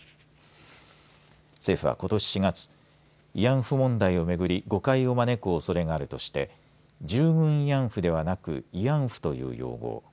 政府は、ことし４月慰安婦問題をめぐり誤解を招くおそれがあるとして従軍慰安婦ではなく慰安婦という用語を。